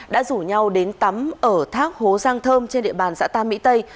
đã rủ nhau đến tắm ở thác hố giang thơm trên địa bàn xã tam mỹ tây